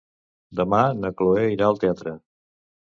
Demà na Chloé irà al teatre.